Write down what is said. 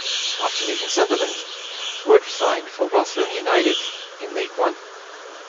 After leaving Sunderland, Woods signed for Rotherham United in League One.